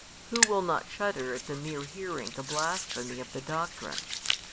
Who will not shudder at the mere hearing the blasphemy of the doctrines?